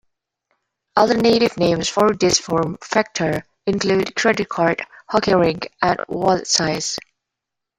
Alternative names for this form factor include "credit card," "hockey rink," and "wallet-size".